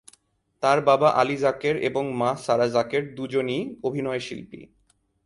তার বাবা আলী যাকের এবং মা সারা যাকের দুজনই অভিনয়শিল্পী।